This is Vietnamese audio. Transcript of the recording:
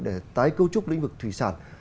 để tái cấu trúc lĩnh vực thủy sản